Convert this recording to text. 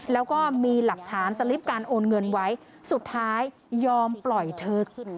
แล้วก็มีหลักฐานสลิปการโอนเงินไว้สุดท้ายยอมปล่อยเธอ